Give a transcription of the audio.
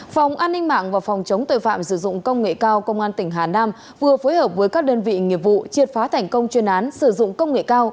phòng an ninh mạng và phòng chống tội phạm sử dụng công nghệ cao công an tỉnh hà nam vừa phối hợp với các đơn vị nghiệp vụ triệt phá thành công chuyên án sử dụng công nghệ cao